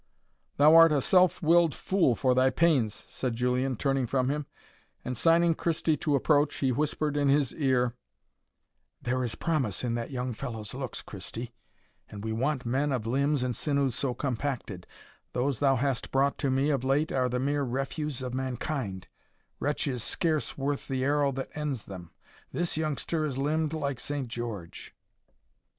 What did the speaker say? "Thou art a self willed fool for thy pains," said Julian, turning from him; and signing Christie to approach, he whispered in his ear, "there is promise in that young fellow's looks, Christie, and we want men of limbs and sinews so compacted those thou hast brought to me of late are the mere refuse of mankind, wretches scarce worth the arrow that ends them: this youngster is limbed like Saint George.